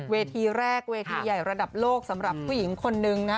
เวทีแรกเวทีใหญ่ระดับโลกสำหรับผู้หญิงคนนึงนะ